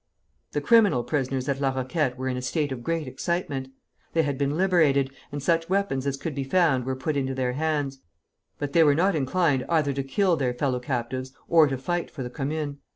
The criminal prisoners at La Roquette were in a state of great excitement. They had been liberated, and such weapons as could be found were put into their hands; but they were not inclined either to kill their fellow captives or to fight for the Commune.